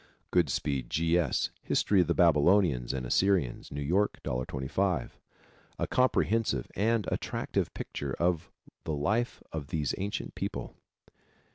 Goodspeed, G. S., History of the Babylonians and Assyrians. New York, $1.25. A comprehensive and attractive picture of the life of these ancient people.